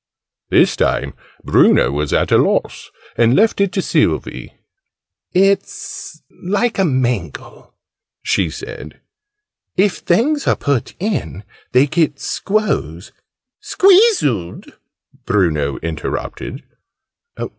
This time Bruno was at a loss, and left it to Sylvie. "It's like a mangle," she said: "if things are put in, they get squoze " "Squeezeled!" Bruno interrupted.